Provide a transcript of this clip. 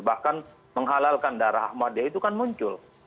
bahkan menghalalkan darah ahmadiyah itu kan muncul